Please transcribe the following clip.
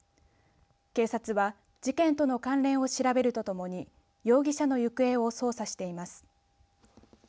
警察は事件との関連を調べるとともに容疑者の行方を捜査しています。